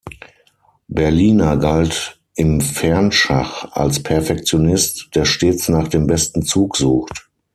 Berliner galt im Fernschach als Perfektionist, der stets nach dem besten Zug sucht.